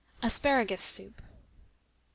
ASPARAGUS SOUP. I.